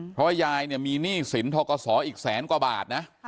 เพราะยายเนี่ยมีหนี้สินทกศอีกแสนกว่าบาทนะ